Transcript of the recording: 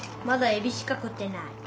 まだえびしか食ってない。